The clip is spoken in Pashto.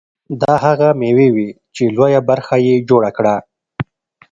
دا هغه مېوې وې چې لویه برخه یې جوړه کړه.